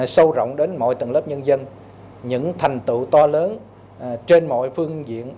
sâu rộng đến mọi tầng lớp nhân dân những thành tựu to lớn trên mọi phương diện